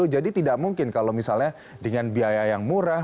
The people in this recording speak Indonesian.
jadi tidak mungkin kalau misalnya dengan biaya yang murah